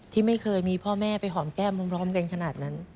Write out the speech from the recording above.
ที่ไม่เคยมีพ่อแม่ไปหอมแก้มพร้อมกันขนาดนั้น